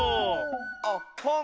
おっほん。